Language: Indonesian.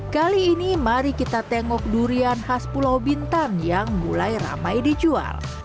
kali ini mari kita tengok durian khas pulau bintan yang mulai ramai dijual